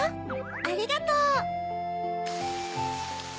ありがとう。